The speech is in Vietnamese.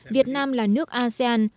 việt nam là nước asean